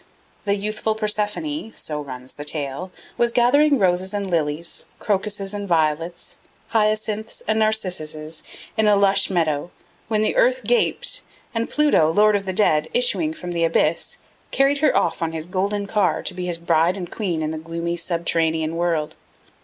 The youthful Persephone, so runs the tale, was gathering roses and lilies, crocuses and violets, hyacinths and narcissuses in a lush meadow, when the earth gaped and Pluto, lord of the Dead, issuing from the abyss carried her off on his golden car to be his bride and queen in the gloomy subterranean world.